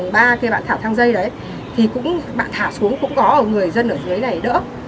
cái bạn thả thang dây đấy thì cũng bạn thả xuống cũng có ở người dân ở dưới này đỡ